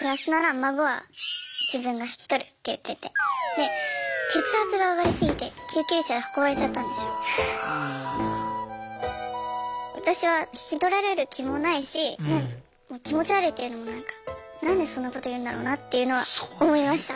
で血圧が上がり過ぎて救急車で運ばれちゃったんですよ。私は引き取られる気もないし気持ち悪いっていうのも何でそんなこと言うんだろうなっていうのは思いました。